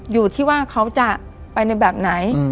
อยู่ที่ว่าเขาจะไปในแบบไหน